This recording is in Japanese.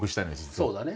そうだね。